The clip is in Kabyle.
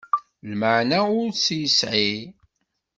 Lmeɛna ur tt-yesɛi.